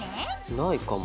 ないかも。